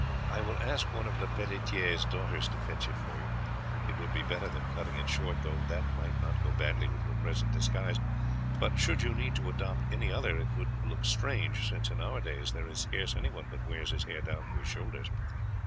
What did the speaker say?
I will ask one of Lepelletiere's daughters to fetch it for you. It would be better than cutting it short, though that might not go badly with your present disguise, but should you need to adopt any other it would look strange, since in our days there is scarce anyone but wears his hair down to his shoulders.